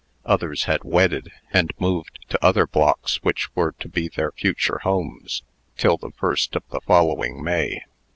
Others had wedded, and moved to other blocks which were to be their future homes till the 1st of the following May.